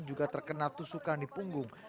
juga terkena tusukan di punggung